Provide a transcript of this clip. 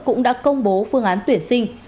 cũng đã công bố phương án tuyển sinh